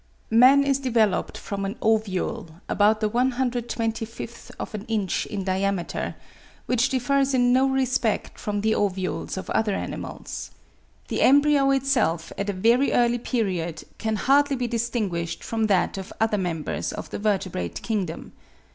] Man is developed from an ovule, about the 125th of an inch in diameter, which differs in no respect from the ovules of other animals. The embryo itself at a very early period can hardly be distinguished from that of other members of the vertebrate kingdom.